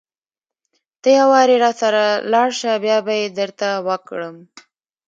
ته يوارې راسره لاړ شه بيا به يې درته وکړم.